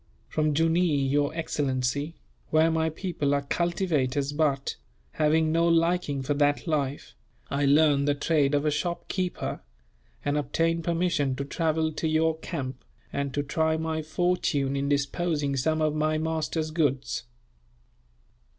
"From Jooneer, your excellency, where my people are cultivators but, having no liking for that life, I learned the trade of a shopkeeper, and obtained permission to travel to your camp, and to try my fortune in disposing of some of my master's goods."